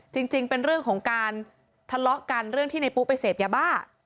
จริงเป็นเรื่องของการทะเลาะกันเรื่องที่ในปุ๊ไปเสพยาบ้า